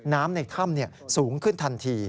น้ำในถ้ำสูงขึ้นทันที